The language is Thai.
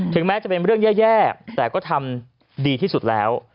แม้จะเป็นเรื่องแย่แต่ก็ทำดีที่สุดแล้ว